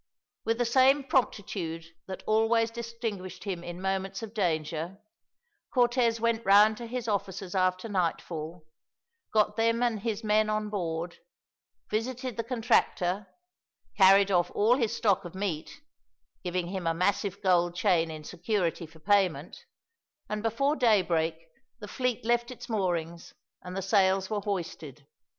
With the same promptitude that always distinguished him in moments of danger, Cortez went round to his officers after nightfall, got them and his men on board, visited the contractor, carried off all his stock of meat (giving him a massive gold chain in security for payment), and before daybreak the fleet left its moorings and the sails were hoisted.